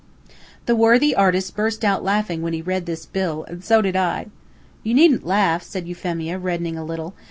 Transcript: The worthy artist burst out laughing when he read this bill, and so did I. "You needn't laugh," said Euphemia, reddening a little.